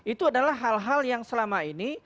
itu adalah hal hal yang selama ini